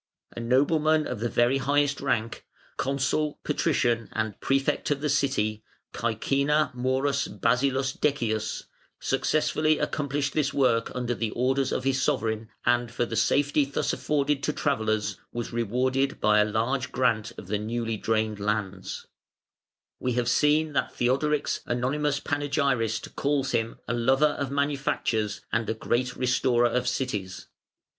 A nobleman of the very highest rank, Consul, Patrician, and Prefect of the City, Cæcina Maurus Basilius Decius, successfully accomplished this work under the orders of his sovereign, and for the safety thus afforded to travellers, was rewarded by a large grant of the newly drained lands. [Footnote 72: Cass., Var., ii., 32, 33.] We have seen that Theodoric's anonymous panegyrist calls him "a lover of manufactures and a great restorer of cities".